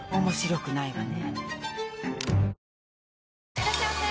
いらっしゃいませ！